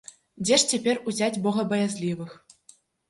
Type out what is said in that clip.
Дзе ж цяпер узяць богабаязлівых?